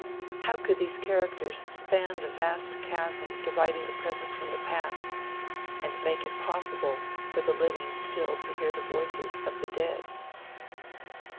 How could these characters span the vast chasm dividing the present from the past, and make it possible for the living still to hear the voices of the dead?